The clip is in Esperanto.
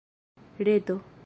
reto